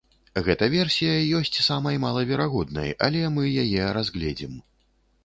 Гэта версія ёсць самай малаверагоднай, але мы яе разгледзім.